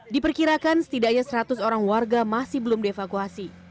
diperkirakan setidaknya seratus orang warga masih belum dievakuasi